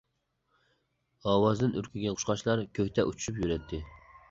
ئاۋازدىن ئۈركۈگەن قۇشقاچلار كۆكتە ئۇچۇشۇپ يۈرەتتى.